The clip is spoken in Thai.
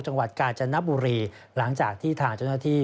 จังหวัดกาญจนบุรีหลังจากที่ทางเจ้าหน้าที่